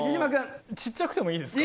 小っちゃくてもいいですか？